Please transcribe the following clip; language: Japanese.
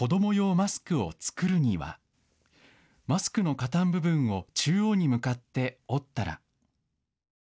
マスクの下端部分を中央に向かって折ったら。